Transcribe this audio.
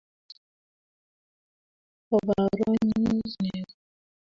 oba orong'un nego